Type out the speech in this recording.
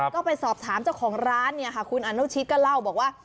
ก็ไปสอบถามเจ้าของร้านคุณอนุชิตก็เล่าว่า